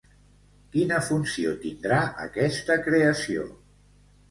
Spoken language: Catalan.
Quina funció tindrà aquesta creació?